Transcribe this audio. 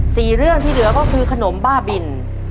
เรื่องที่เหลือก็คือขนมบ้าบิน